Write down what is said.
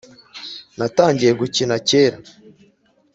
Natangiye gukina cyera